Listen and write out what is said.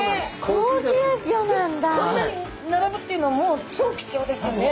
こんなに並ぶっていうのはもう超貴重ですよね。